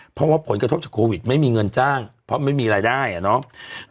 เพราะว่าผลกระทบจากโควิดไม่มีเงินจ้างเพราะไม่มีรายได้อ่ะเนาะ